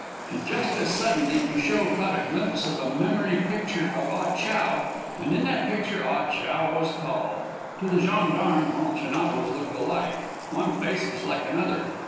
And just as suddenly Cruchot caught a glimpse of a memory picture of Ah Chow, and in that picture Ah Chow was tall. To the gendarme all Chinagos looked alike. One face was like another.